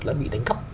lại bị đánh cắp